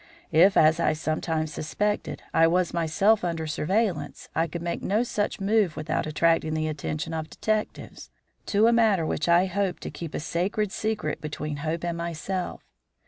If, as I sometimes suspected, I was myself under surveillance, I could make no such move without attracting the attention of the detectives to a matter which I hoped to keep a sacred secret between Hope and myself.